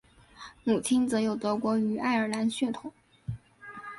母亲则有德国与爱尔兰血统